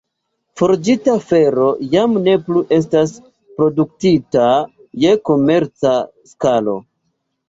Forĝita fero jam ne plu estas produktita je komerca skalo.